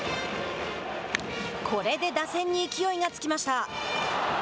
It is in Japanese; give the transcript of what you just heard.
これで打線に勢いがつきました。